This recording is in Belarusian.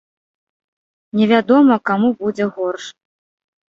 Невядома каму будзе горш.